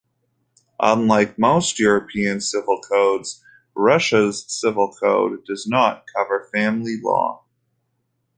Unlike most European civil codes, Russia's Civil Code does not cover family law.